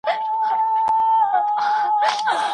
په دې ګڼ ډګر کي مړ سړی او ږیره تر بل ځای ډېر ښکاري.